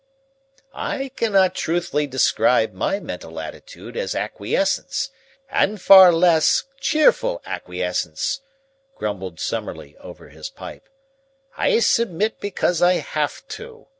"I cannot truthfully describe my mental attitude as acquiescence and far less cheerful acquiescence," grumbled Summerlee over his pipe. "I submit because I have to.